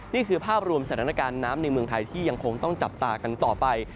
นี่คือภาพรวมสถานการณ์น้ำในเมืองไทยที่ยังคงต้องจับตากันต่อไป